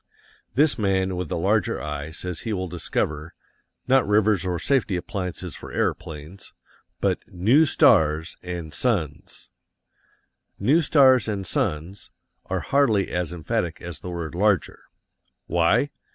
This man with the larger eye says he will discover, not rivers or safety appliances for aeroplanes, but NEW STARS and SUNS. "New stars and suns" are hardly as emphatic as the word "larger." Why?